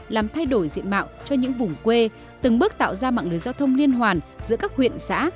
làm thay đổi diện mạo cho những vùng quê từng bước tạo ra mạng lưới giao thông liên hoàn giữa các huyện xã